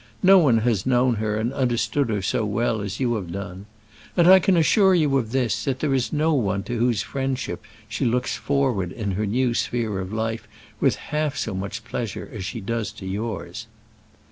No one has known her and understood her so well as you have done. And I can assure you of this: that there is no one to whose friendship she looks forward in her new sphere of life with half so much pleasure as she does to yours."